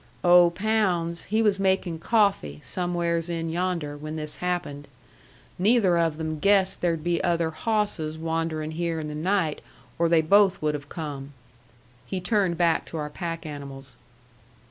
"Oh, Pounds, he was making coffee, somewheres in yonder, when this happened. Neither of them guessed there'd be other hawsses wandering here in the night, or they both would have come." He turned back to our pack animals.